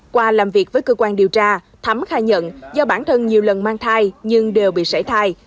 qua làm việc với cơ quan điều tra thắm khai nhận do bản thân nhiều lần mang thai nhưng đều bị sải thai